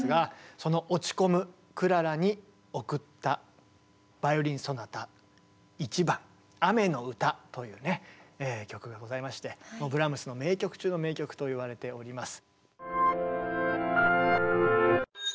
その落ち込むクララに贈ったバイオリン・ソナタ１番「雨の歌」という曲がございましてブラームスの名曲中の名曲といわれております。